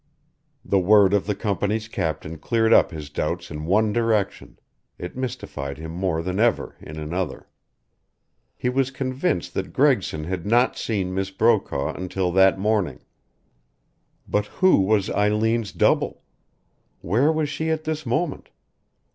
The word of the company's captain cleared up his doubts in one direction; it mystified him more than ever in another. He was convinced that Gregson had not seen Miss Brokaw until that morning. But who was Eileen's double? Where was she at this moment?